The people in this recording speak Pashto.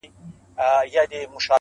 ستا خو جانانه د رڼا خبر په لـپـه كي وي.